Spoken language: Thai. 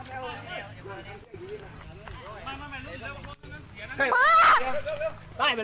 สวัสดีครับ